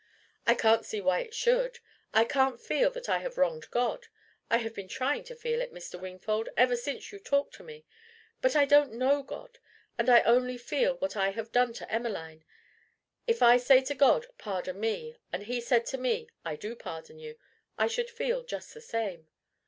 "I can't see why it should. I can't feel that I have wronged God. I have been trying to feel it, Mr. Wingfold, ever since you talked to me. But I don't know God, and I only feel what I have done to Emmeline. If I said to God, 'Pardon me,' and he said to me, 'I do pardon you,' I should feel just the same.